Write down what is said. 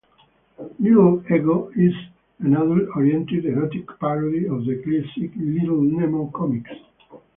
"Little Ego" is an adult-oriented, erotic parody of the classic "Little Nemo" comics.